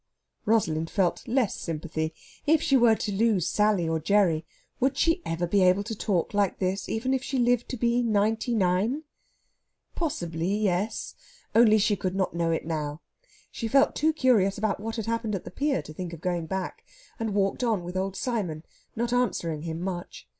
Rosalind felt less sympathy. If she were to lose Sally or Gerry, would she ever be able to talk like this, even if she lived to be ninety nine? Possibly yes only she could not know it now. She felt too curious about what had happened at the pier to think of going back, and walked on with old Simon, not answering him much.